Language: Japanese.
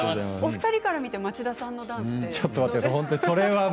お二人から見て町田さんのダンスは？